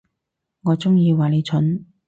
我中意話你蠢